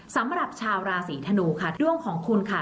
สำหรับชาวราศีธนูค่ะดวงของคุณค่ะ